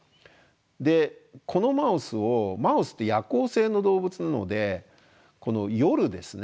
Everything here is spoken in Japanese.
このマウスをマウスって夜行性の動物なので夜ですね